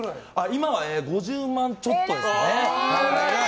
今は５０万円ちょっとですかね。